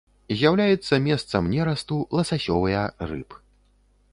З'яўляецца месцам нерасту ласасёвыя рыб.